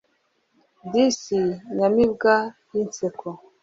Disi nyamibwa yinseko